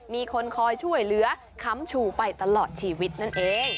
มีคนคอยช่วยเหลือค้ำชูไปตลอดชีวิตนั่นเอง